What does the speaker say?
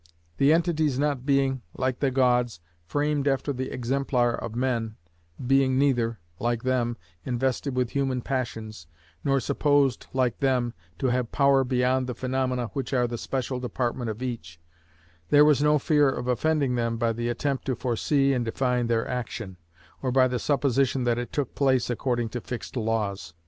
The entities not being, like the gods, framed after the exemplar of men being neither, like them, invested with human passions, nor supposed, like them, to have power beyond the phaenomena which are the special department of each, there was no fear of offending them by the attempt to foresee and define their action, or by the supposition that it took place according to fixed laws.